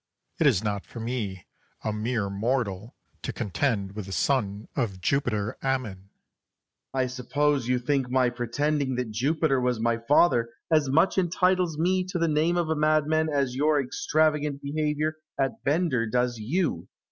It is not for me, a mere mortal, to contend with the son of Jupiter Ammon. Alexander. I suppose you think my pretending that Jupiter was my father as much entitles me to the name of a madman as your extravagant behaviour at Bender does you.